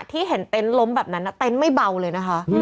ที่เห็นเต็นต์ล้มแบบนั้นเต็นต์ไม่เบาเลยนะคะ